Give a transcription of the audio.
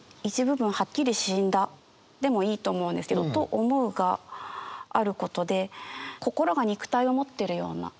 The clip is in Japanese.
でもいいと思うんですけど「と思う。」があることで心が肉体を持ってるような。